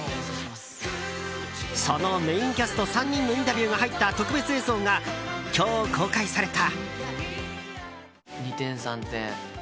そのメインキャスト３人のインタビューが入った特別映像が今日、公開された。